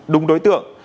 đúng đối tượng